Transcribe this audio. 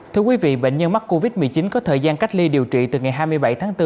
thưa quý vị bệnh nhân mắc covid một mươi chín có thời gian cách ly điều trị từ ngày hai mươi bảy tháng bốn